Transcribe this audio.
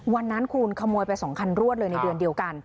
วันนั้นคุณขโมยไป๒คันรวดเลยในเดือนเดียวกัน